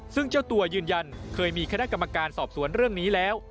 ซึ่งเจ้าตัวยืนยันเคยมีคณะกรรมการสอบสวนเรื่องนี้แล้ว